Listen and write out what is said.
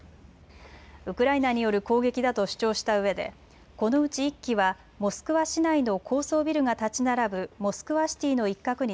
ウクライナによる攻撃だと主張したうえでこのうち１機はモスクワ市内の高層ビルが建ち並ぶモスクワシティの一角に